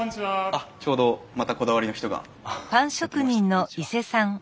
あっちょうどまたこだわりの人がやって来ました。